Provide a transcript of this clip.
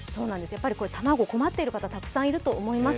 やっぱり、卵、困ってる方たくさんいると思います。